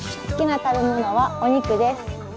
好きな食べ物はお肉です。